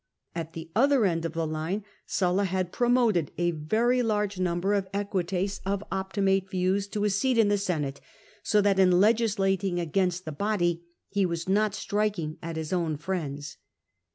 At the other end of the line Sulla had promoted a very large number of Equites of Optimate views to a seat in the Senate, so that in legislating against the body he was not striking at his own friends.